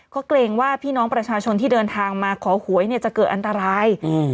ก็เกรงว่าพี่น้องประชาชนที่เดินทางมาขอหวยเนี่ยจะเกิดอันตราย